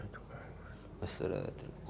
udah waktunya shalat subuh